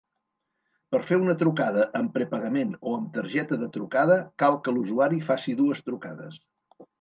Per fer una trucada amb prepagament o amb targeta de trucada cal que l'usuari faci dues trucades.